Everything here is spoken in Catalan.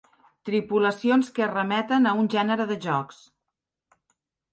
Tripulacions que remeten a un gènere de jocs.